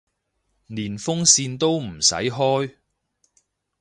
連風扇都唔使開